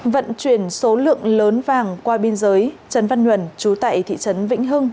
vận chuyển số lượng lớn vàng qua biên giới trấn văn nhuần trú tại thị trấn vĩnh hưng